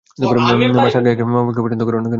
মা, সাঙ্গেয়া মামাকে পছন্দ করো না কেন?